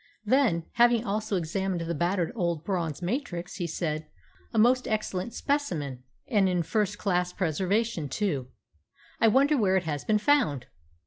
Then, having also examined the battered old bronze matrix, he said, "A most excellent specimen, and in first class preservation, too! I wonder where it has been found?